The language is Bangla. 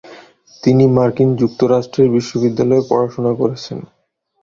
তিনি মার্কিন যুক্তরাষ্ট্রের বিশ্ববিদ্যালয়ে পড়াশোনা করেছেন।